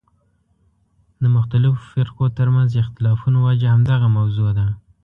د مختلفو فرقو ترمنځ اختلافونو وجه همدغه موضوع ده.